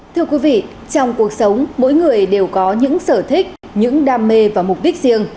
thưa quý vị trong cuộc sống mỗi người đều có những sở thích những đam mê và mục đích riêng